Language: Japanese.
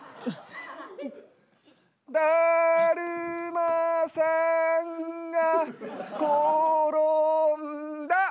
だるまさんが転んだ！